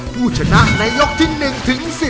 ผู้ชนะในยกที่๑ถึง๑๐